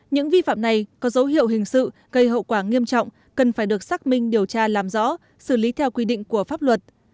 những vi phạm này có dấu hiệu hình sự gây hậu quả nghiêm trọng cần phải được xác minh điều tra làm rõ xử lý theo quy định của pháp luật